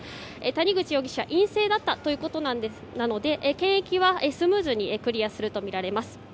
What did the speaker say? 谷口容疑者陰性だったということなので検疫はスムーズにクリアするとみられます。